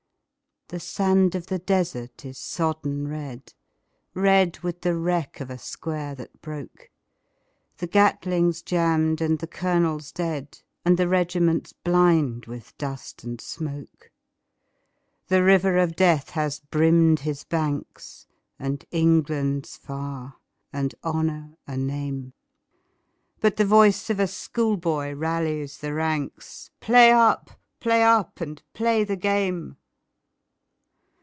The sand of the desert is sodden red, Red with the wreck of a square that broke; The Gatling's jammed and the colonel dead, And the regiment blind with dust and smoke. The river of death has brimmed his banks, And England's far, and Honour a name, But the voice of schoolboy rallies the ranks, "Play up! play up! and play the game!"